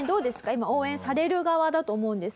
今応援される側だと思うんです